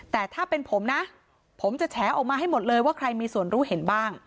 แต่ถ้าเป็นผมนะผมจะแฉออกมาให้หมดเลยว่าใครมีส่วนรู้เห็นบ้าง